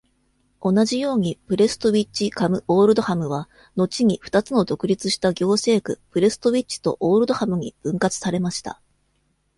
同じように、プレストウィッチ＝カム＝オールドハムは後にふたつの独立した行政区プレストウィッチとオールドハムに分割されました。